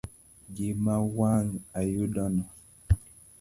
Gima wang ayudo no.